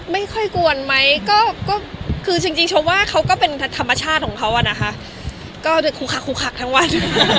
ไม่ค่อยก้วนไหมก็คือฉันชมว่าเขาก็เป็นธรรมชาติเหล่านักง่ายคลุกคักทั้งวัน